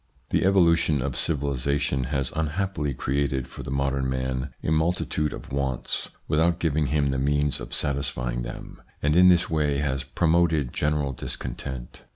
The evolution of civilisation has unhappily created for the modern man a multitude of wants, without giving him the means of satisfying them, and in this ITS INFLUENCE ON THEIR EVOLUTION 193 way has promoted general discontent.